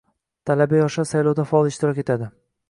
Talaba-yoshlar saylovda faol ishtirok etadi